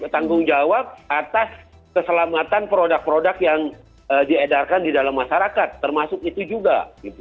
tanggung jawab atas keselamatan produk produk yang diedarkan di dalam masyarakat termasuk itu juga